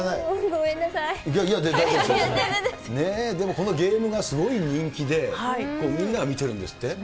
でもこのゲームがすごい人気で、みんなが見てるんですって。